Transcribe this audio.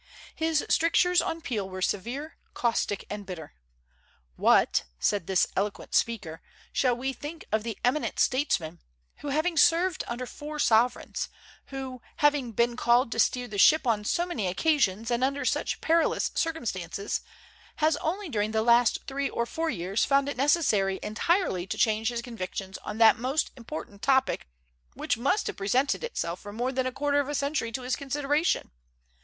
His strictures on Peel were severe, caustic, and bitter. "What," said this eloquent speaker, "shall we think of the eminent statesman, who, having served under four sovereigns, who, having been called to steer the ship on so many occasions and under such perilous circumstances, has only during the last three or four years found it necessary entirely to change his convictions on that most important topic, which must have presented itself for more than a quarter of a century to his consideration?